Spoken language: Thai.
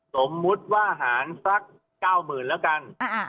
สมมุติว่าหารสัก๙๐๐๐แล้วกัน